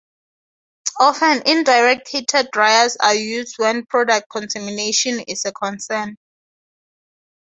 Often, indirect heated dryers are used when product contamination is a concern.